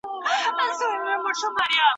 که څوک عقل ولري او له تدبر څخه کار واخلي.